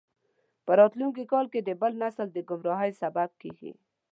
په راتلونکي کې د بل نسل د ګمراهۍ سبب کیږي.